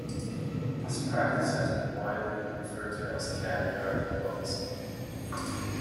This practice has been widely referred to as "Caviar diplomacy".